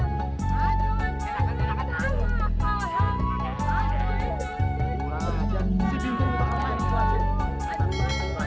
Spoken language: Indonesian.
nah lihat jadi babi lainnya